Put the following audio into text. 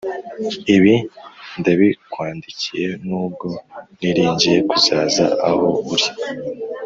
Ibi ndabikwandikiye nubwo niringiye kuzaza aho uri.